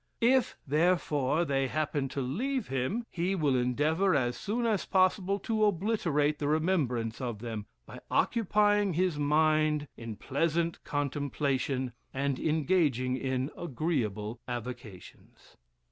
If, therefore, they happen to leave him, he will endeavor, as soon as possible, to obliterate the remembrance of them, by occupying his mind in pleasant contemplation, and engaging in agreeable avocations.